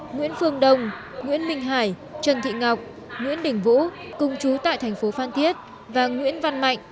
nguyễn phương đông nguyễn minh hải trần thị ngọc nguyễn đình vũ cùng chú tại thành phố phan thiết và nguyễn văn mạnh